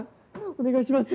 お願いします